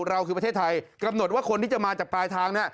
เราคือประเทศไทยกำหนดว่าคนที่จะมาจากปลายทางเนี่ย